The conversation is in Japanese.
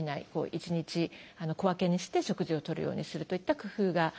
一日小分けにして食事をとるようにするといった工夫がいいかと思います。